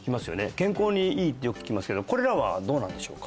健康にいいってよく聞きますけどこれらはどうなんでしょうか？